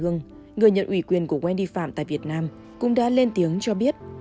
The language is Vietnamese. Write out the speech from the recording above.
người nhận ủy quyền của wendy phạm tại việt nam cũng đã lên tiếng cho biết